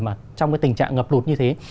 mà trong cái tình trạng ngập lụt như thế